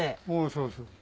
そうそう。